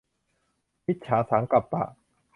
มิจฉาสังกัปปะ